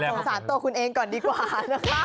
สงสารตัวคุณเองก่อนดีกว่านะคะ